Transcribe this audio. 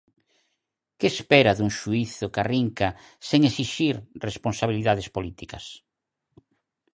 Que espera dun xuízo que arrinca sen exixir responsabilidades políticas?